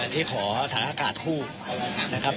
ที่ขอฐานอากาศคู่นะครับ